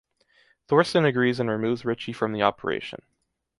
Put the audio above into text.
Thorsen agrees and removes Richie from the operation.